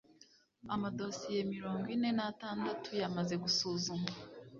amadosiye mirongo ine n’atanadatu yamaze gusuzumwa